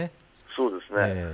そうですね。